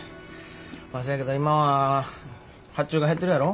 まあせやけど今は発注が減ってるやろ。